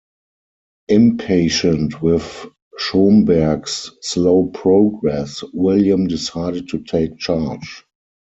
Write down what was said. Impatient with Schomberg's slow progress, William decided to take charge.